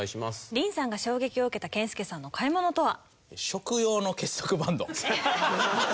凛さんが衝撃を受けた健介さんの買い物とは？